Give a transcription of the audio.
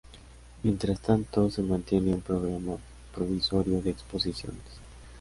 Mientras tanto, se mantiene un programa provisorio de exposiciones.